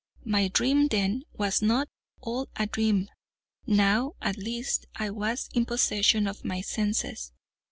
My dream, then, was not all a dream. Now, at least, I was in possession of my senses.